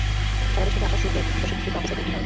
সারাদেশ থেকে আসা সুপ্রশিক্ষিত অফিসারদের একটি দল।